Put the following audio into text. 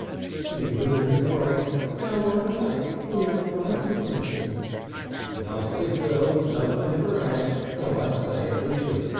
"D'you remember, Grace, 'ow one day we 'ad writing lesson...." "Nicer girls no one ever 'ad though I say it who shouldn't."